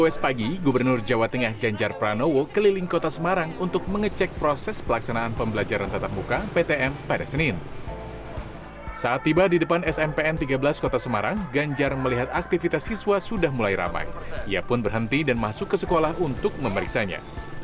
sampai jumpa di video selanjutnya